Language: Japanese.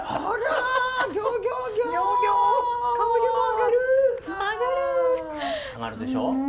あがるでしょう。